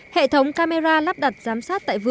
hệ thống camera lắp đặt giám sát